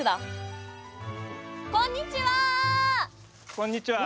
こんにちは！